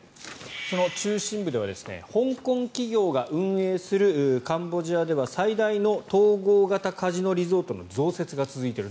その中心部では香港企業が運営するカンボジアでは最大の統合型カジノリゾートの増設が続いている。